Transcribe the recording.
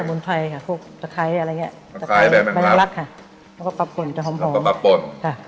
สมุนไทยค่ะพวกอะไรเงี้ยค่ะแล้วก็ปับปนจะหอมหอมปับปน